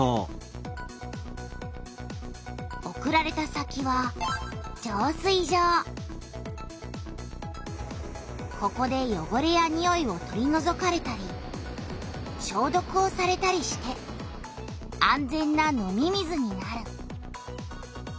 送られた先はここでよごれやにおいを取りのぞかれたりしょうどくをされたりして安全な飲み水になる。